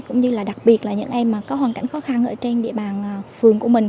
cũng như là đặc biệt là những em có hoàn cảnh khó khăn ở trên địa bàn phường của mình